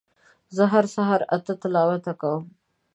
زه هر سهار اته تلاوت کوم